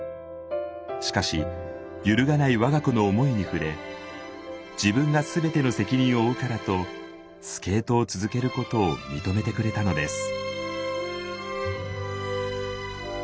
しかし揺るがない我が子の思いに触れ自分がすべての責任を負うからとスケートを続けることを認めてくれたのです。